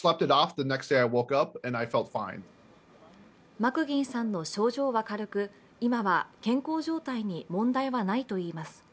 マクギンさんの症状は軽く、今は健康状態に問題はないといいます。